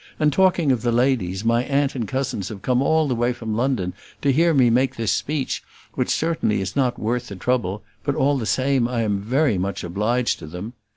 And talking of the ladies, my aunt and cousins have come all the way from London to hear me make this speech, which certainly is not worth the trouble; but, all the same I am very much obliged to them."